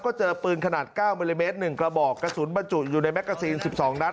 ก็เจอปืนขนาด๙มิลลิเมตร๑กระบอกกระสุนบรรจุอยู่ในแกซีน๑๒นัด